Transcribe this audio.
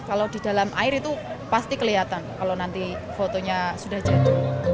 kalau di dalam air itu pasti kelihatan kalau nanti fotonya sudah jadi